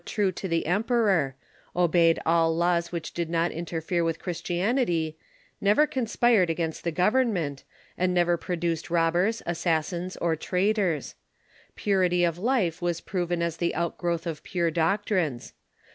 THE CHRISTIAN DEFENDERS 85 all laws which did not interfere with Christianity; never con sj)ired against the government ; and never produced Defence ^'^^^^^rs, assassins, or traitors. Purity of life was proven as the outgrowth of pure doctrines.